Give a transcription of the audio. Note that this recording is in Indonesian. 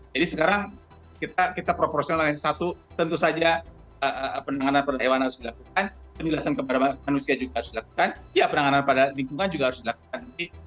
jadi sekarang kita kita proporsional yang satu tentu saja penanganan pada hewan harus dilakukan penjelasan kepada manusia juga harus dilakukan ya penanganan pada lingkungan juga harus dilakukan